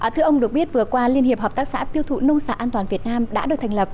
thưa ông được biết vừa qua liên hiệp hợp tác xã tiêu thụ nông sản an toàn việt nam đã được thành lập